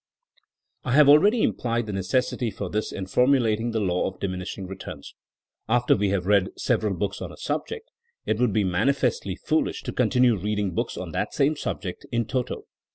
*' I have already implied the necessity for this in formulating the law of diminishing returns. After we have read several books on a subject it would be manifestly foolish to continue read ing books on that same subject in toto.